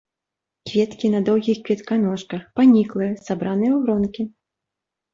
Кветкі на доўгіх кветаножках, паніклыя, сабраныя ў гронкі.